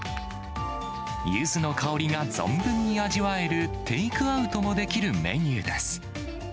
ゆずの香りが存分に味わえるテイクアウトもできるメニューです。